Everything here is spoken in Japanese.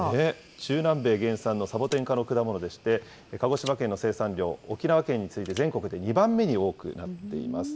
中南米原産のサボテン科の果物でして、鹿児島県の生産量、沖縄県に次いで全国で２番目に多くなっています。